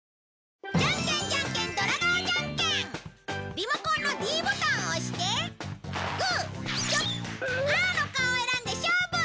リモコンのｄボタンを押してグーチョキパーの顔を選んで勝負！